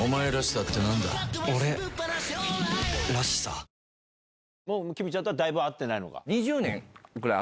はじまるきみちゃんとはだいぶ会ってないのか？